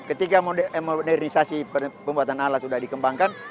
ketika modernisasi pembuatan alat sudah dikembangkan